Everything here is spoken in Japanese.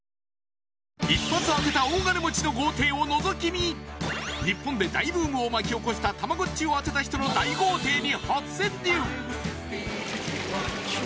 一発当てた大金持ちの豪邸をのぞき日本で大ブームを巻き起こしたたまごっちを当てた人の大豪邸に初潜入。